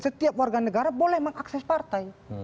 setiap warga negara boleh mengakses partai